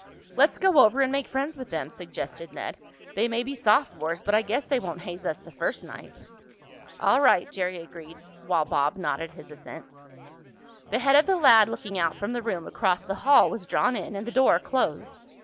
"Let's go over and make friends with them," suggested Ned. "They may be sophomores, but I guess they won't haze us the first night." "All right," Jerry agreed, while Bob nodded his assent. The head of the lad looking out from the room across the hall was drawn in, and the door closed.